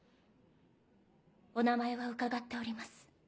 お名前は伺っております。